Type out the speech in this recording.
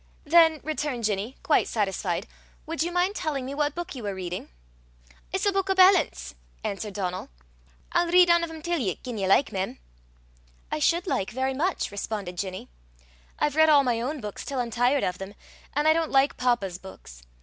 "Then," returned Ginny, quite satisfied, "would you mind telling me what book you were reading?" "It's a buik o' ballants," answered Donal. "I'll read ane o' them till ye, gien ye like, mem." "I should like very much," responded Ginny. "I've read all my own books till I'm tired of them, and I don't like papa's books.